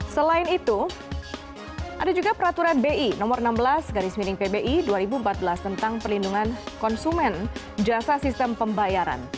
selain itu ada juga peraturan bi nomor enam belas garis miring pbi dua ribu empat belas tentang perlindungan konsumen jasa sistem pembayaran